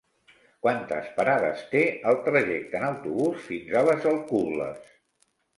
Quantes parades té el trajecte en autobús fins a les Alcubles?